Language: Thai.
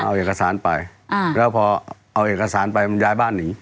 เอาเอกสารไปแล้วพอเอาเอกสารไปมันย้ายบ้านหนี